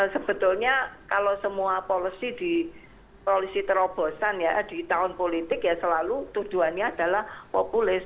sebetulnya kalau semua polisi terobosan ya di tahun politik ya selalu tujuannya adalah populis